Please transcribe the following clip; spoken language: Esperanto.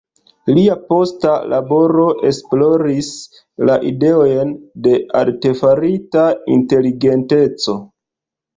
Lia posta laboro esploris la ideojn de artefarita inteligenteco.